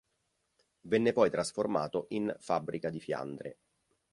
Venne poi trasformato in fabbrica di fiandre.